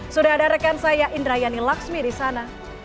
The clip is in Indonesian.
sudah ada rekan saya indrayani laksmi di sana